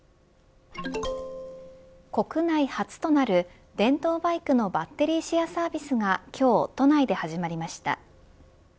国内初となる電動バイクのバッテリーシェアサービスが今日、都内で始まりました。